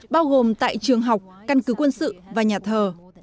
bao gồm tại trường học căn cứ quân sự và nhà thờ